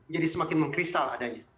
jadi semakin mengkristal adanya